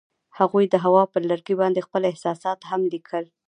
هغوی د هوا پر لرګي باندې خپل احساسات هم لیکل.